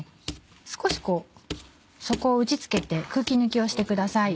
少しこう底を打ち付けて空気抜きをしてください。